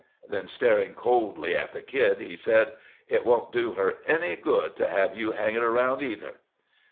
Then, staring coldly at the Kid, he said, "And it won't do her any good to have you hanging around, either."